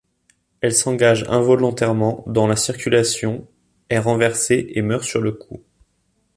Elle s'engage involontairement dans la circulation, est renversée et meurt sur le coup.